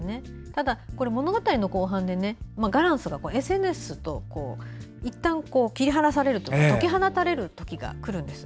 ただ物語の後半でガランスがＳＮＳといったん切り離される解き放たれる時がくるんです。